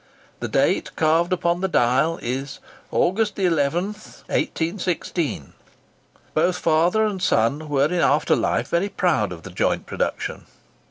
The date carved upon the dial is "August 11th, MDCCCXVI." Both father and son were in after life very proud of the joint production.